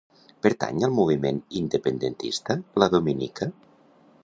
Pertany al moviment independentista la Dominica?